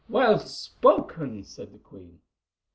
"Well spoken," said the queen.